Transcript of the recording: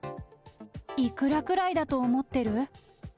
いくらくらいだと思ってる？